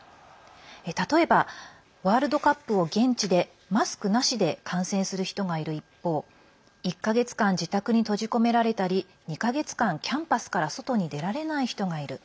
例えば、ワールドカップを現地でマスクなしで観戦する人がいる一方１か月間自宅に閉じ込められたり２か月間、キャンパスから外に出られない人がいる。